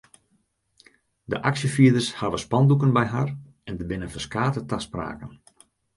De aksjefierders hawwe spandoeken by har en der binne ferskate taspraken.